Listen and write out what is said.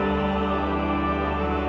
tuhan yang dipercaya